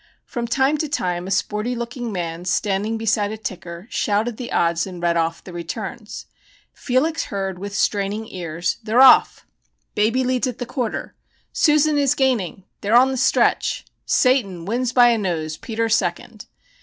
From time to time a sporty looking man standing beside a ticker, shouted the odds and read off the returns. Felix heard with straining ears: "They're off!" "Baby leads at the quarter." "Susan is gaining!" "They're on the stretch!" "Satan wins by a nose Peter second."